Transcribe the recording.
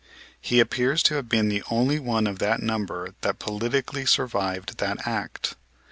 He appears to have been the only one of that number that politically survived that act.